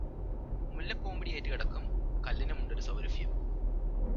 മുല്ലപ്പൂമ്പൊടിയേറ്റുകിടക്കും കല്ലിനുമുണ്ടാമൊരു സൗരഭ്യം.